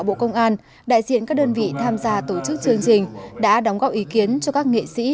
bộ công an đại diện các đơn vị tham gia tổ chức chương trình đã đóng góp ý kiến cho các nghệ sĩ